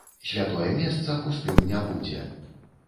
Святое месца пустым не будзе.